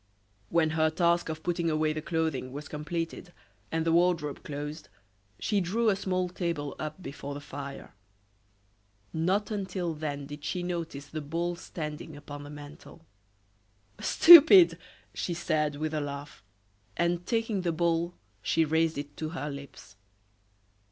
When her task of putting away the clothing was completed and the wardrobe closed, she drew a small table up before the fire. Not until then did she notice the bowl standing upon the mantel. "Stupid!" she said, with a laugh; and taking the bowl she raised it to her lips.